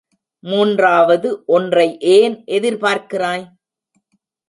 மூன்றாவது ஒன்றை ஏன் எதிர் பார்க்கிறாய்?